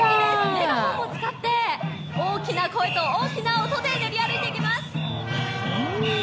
メガホンも使って大きな音と大きな声で練り歩いていきます！